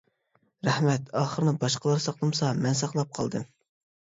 رەھمەت، ئاخىرىنى باشقىلار ساقلىمىسا مەن ساقلاپ قالدىم.